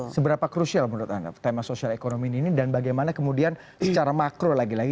seberapa krusial menurut anda tema sosial ekonomi ini dan bagaimana kemudian secara makro lagi lagi